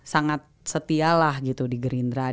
sangat setia lah gitu di green trail